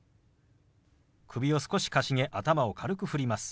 首を少しかしげ頭を軽く振ります。